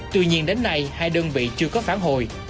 tuy nhiên đến nay hai đơn vị chưa có phản hồi